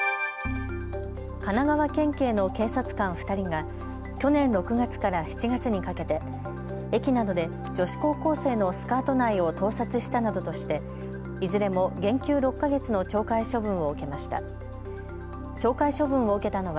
神奈川県警の警察官２人が去年６月から７月にかけて駅などで女子高校生のスカート内を盗撮したなどとして、いずれも減給６か月の懲戒処分を受けました。